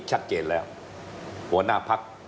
ชัดเจนแล้วหัวหน้าพัก